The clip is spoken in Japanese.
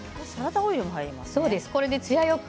サラダオイルも入るんですね。